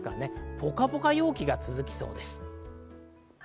ポカポカ陽気が続きそうです。